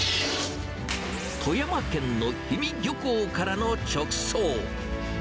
富山県の氷見漁港からの直送。